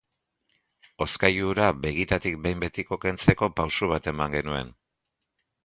Hozkailu hura begitatik behin betiko kentzeko pauso bat eman genuen.